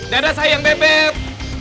dadah sayang bebek